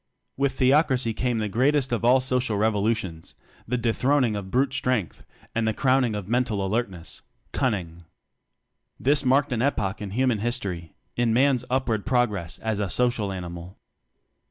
With theocracy came the greatest of all social revolutions; the dethron ing of brute strength and the crown ing of mental alertness Cunning. This marked an epoch in human his tory, in man's upward progress as a social animal.